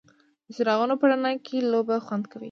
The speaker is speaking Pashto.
د څراغونو په رڼا کې لوبه خوند کوي.